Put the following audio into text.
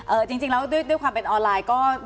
จริงแล้วด้วยความเป็นออนไลน์ก็